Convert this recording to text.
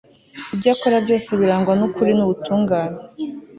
ibyo akora byose birangwa n'ukuri n'ubutungane